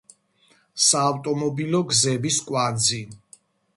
საავტომობილო გზების კვანძი.